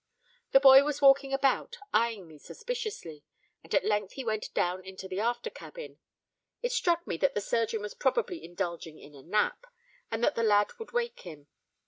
The boy was walking about eyeing me suspiciously; and at length he went down into the after cabin. It struck me that the surgeon was probably indulging in a nap, and that the lad would awake him.